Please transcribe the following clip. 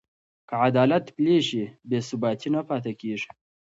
که عدالت پلی شي، بې ثباتي نه پاتې کېږي.